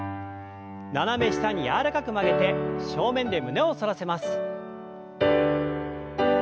斜め下に柔らかく曲げて正面で胸を反らせます。